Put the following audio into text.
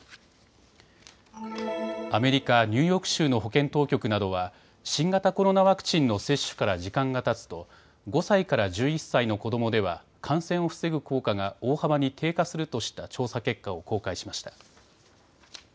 アメリカ・ニューヨーク州の保健当局などは新型コロナワクチンの接種から時間がたつと５歳から１１歳の子どもでは感染を防ぐ効果が大幅に低下するとした調査結果を公開しました。